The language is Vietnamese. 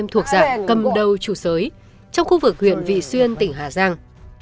trong khu vực huyện vị xuyên tỉnh hà giang